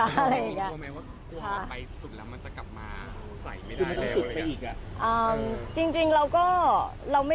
มีความว่าไปสุดแล้วมันจะกลับมา